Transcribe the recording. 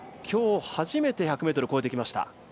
きょう初めて１００ｍ超えてきました。